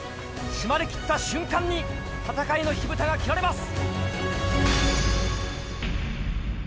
閉まりきった瞬間に戦いの火ぶたが切られます。